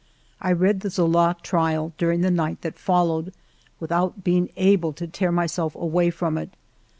I read the Zola trial during the night that followed, without being able to tear myself away from it.